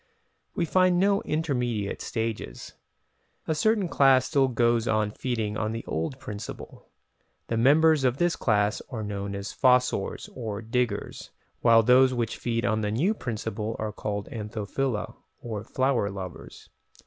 We find no intermediate stages. A certain class still goes on feeding on the old principle. The members of this class are known as "fossors" or diggers, while those which feed on the new principle are called "Anthophila" or flower lovers.